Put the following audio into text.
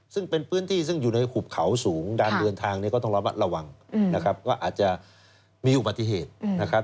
ซึ่งเป็นพื้นที่ซึ่งอยู่ในหุบเขาสูงการเดินทางเนี่ยก็ต้องระมัดระวังนะครับก็อาจจะมีอุบัติเหตุนะครับ